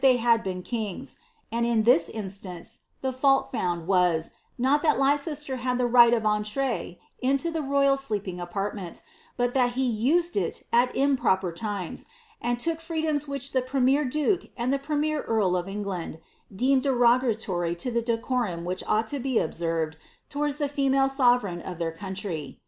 217 hid been kings; and in this instance the fault found was, not mat Lei* eesier had the right of entree into the royal sleeping apartment, but that he used it at improper times, and took freedoms wliich the premier duke and the premier earl of England, deemed derogatory to the decorum which ought to be observed towards the female sovereign of their coun* try.